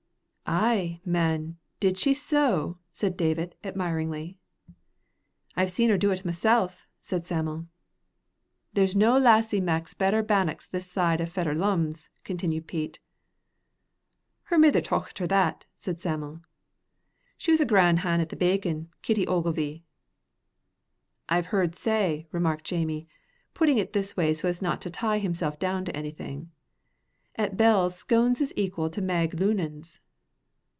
"Ay, man, did she so?" said Davit, admiringly. "I've seen her do't myself," said Sam'l. "There's no a lassie maks better bannocks this side o' Fetter Lums," continued Pete. "Her mither tocht her that," said Sam'l; "she was a gran' han' at the bakin', Kitty Ogilvy." "I've heard say," remarked Jamie, putting it this way so as not to tie himself down to anything, "'at Bell's scones is equal to Mag Lunan's."